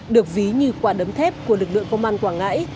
được ví như quả đấm thép của lực lượng công an quảng ngãi